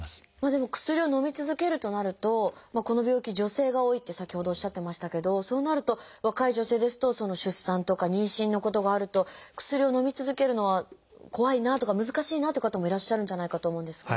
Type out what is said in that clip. でも薬をのみ続けるとなるとこの病気女性が多いって先ほどおっしゃってましたけどそうなると若い女性ですと出産とか妊娠のことがあると薬をのみ続けるのは怖いなとか難しいなって方もいらっしゃるんじゃないかと思うんですが。